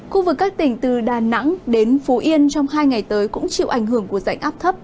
khu vực các tỉnh từ đà nẵng đến phú yên trong hai ngày tới cũng chịu ảnh hưởng của rãnh áp thấp